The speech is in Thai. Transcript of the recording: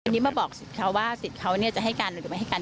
มีผลต่อคดีอื่นด้วยพี่บอกกันเลย